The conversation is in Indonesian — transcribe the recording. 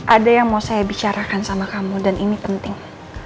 ada yang mau saya bicarakan sama kamu dan ini penting